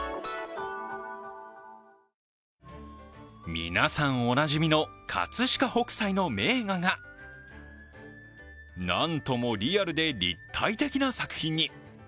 皆さんおなじみの葛飾北斎の名画がなんともリアルで立体的な作品に。